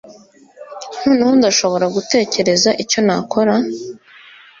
Noneho ndashobora gutekereza icyo nakora?